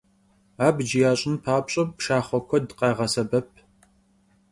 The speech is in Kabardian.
Abc yaş'ın papş'e, pşşaxhue kued khağesebep.